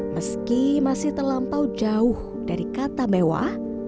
meski masih terlampau jauh dari kata mewah